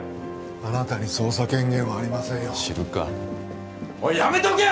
あなたに捜査権限はありませんよ知るかおいやめとけ！